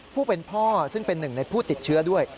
ผู้เป็นพ่อซึ่งเป็นหนึ่งในผู้ติดเชื้อด้วย